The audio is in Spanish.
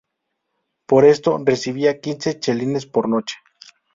Por esto, recibía quince chelines por noche.